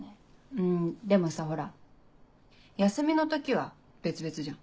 うんでもさほら休みの時は別々じゃん。